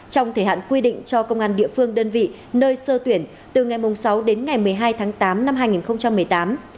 trong thời hạn quy định cho công an địa phương đơn vị nơi sơ tuyển từ ngày sáu đến ngày một mươi hai tháng tám năm hai nghìn một mươi tám